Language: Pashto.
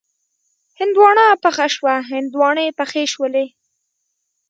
هندواڼه پخه شوه، هندواڼې پخې شولې